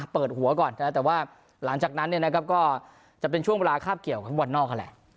เปิดหัวก่อนแต่ว่าหลังจากนั้นก็จะเป็นช่วงเวลาคาบเกี่ยวกับฟุตบอลนอก